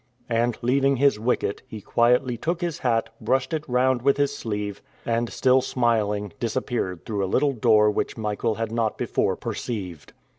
And, leaving his wicket, he quietly took his hat, brushed it round with his sleeve, and, still smiling, disappeared through a little door which Michael had not before perceived.